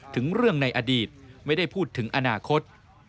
ถึงเรื่องในอดีตไม่ได้พูดถึงอนาคต